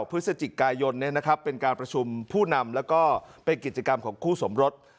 พฤศจิกายนเป็นการประชุมผู้นำแล้วก็เป็นกิจกรรมของคู่สมรส